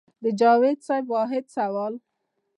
د جاوېد صېب واحد سوال